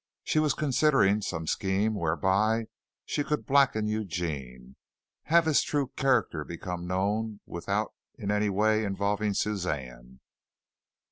She was considering some scheme whereby she could blacken Eugene, have his true character become known without in any way involving Suzanne.